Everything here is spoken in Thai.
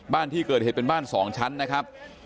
บ้านที่เกิดเหตุเป็นบ้าน๒ชั้นนะครับ